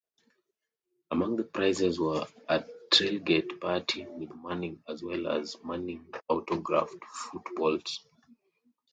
Among the prizes were a tailgate party with Manning as well as Manning-autographed footballs.